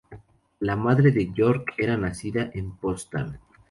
La madre de Yorck era nacida en Potsdam.